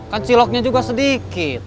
kan ciloknya juga sedikit